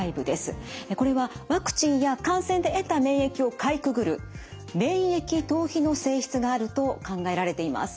これはワクチンや感染で得た免疫をかいくぐる免疫逃避の性質があると考えられています。